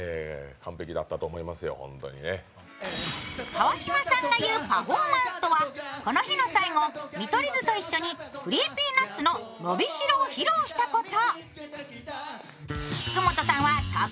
川島さんが言うパフォーマンスとはこの日の最後、見取り図と一緒にＣｒｅｅｐｙＮｕｔｓの「のびしろ」を披露したこと。